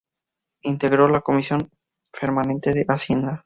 Integró la Comisión Permanente de Hacienda.